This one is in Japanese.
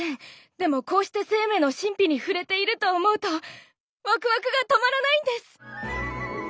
でもこうして生命の神秘に触れていると思うとワクワクが止まらないんです！